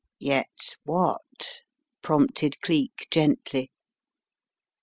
"Yet what?" prompted Cleek, gently.